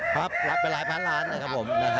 ครับรับเป็นหลายพันล้านนะครับผม